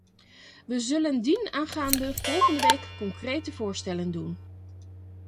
We zullen dienaangaande volgende week concrete voorstellen doen.